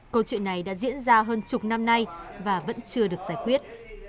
câu chuyện này đã diễn ra hơn chục năm nay và vẫn chưa được giải quyết